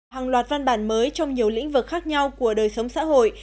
hàng loạt văn bản mới trong nhiều lĩnh vực khác nhau của đời sống xã hội